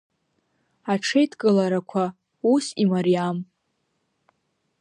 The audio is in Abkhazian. Аҽеидкыларақәа ус имариам.